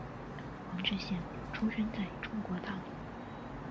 黄志贤出生在中国大陆。